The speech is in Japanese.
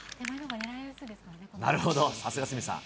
なるほど、さすが鷲見さん。